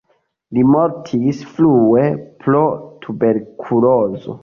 Li mortis frue pro tuberkulozo.